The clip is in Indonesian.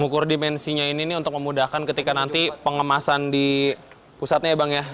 mukur dimensinya ini untuk memudahkan ketika nanti pengemasan di pusatnya ya bang ya